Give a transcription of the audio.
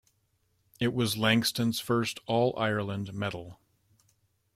It was Langton's first All-Ireland medal.